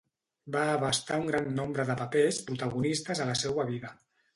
Va abastar un gran nombre de papers protagonistes a la seua vida.